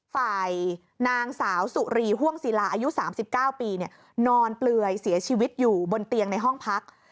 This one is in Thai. ฝ่ายนางสาวสุรีห่วงศิลาอายุ๓๙ปีนอนเปลือยเสียชีวิตอยู่บนเตียงในห้องพัก